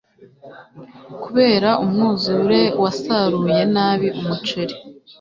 Kubera umwuzure, wasaruye nabi umuceri.